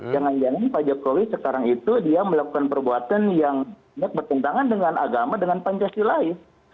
jangan jangan pak jokowi sekarang itu dia melakukan perbuatan yang bertentangan dengan agama dengan pancasilais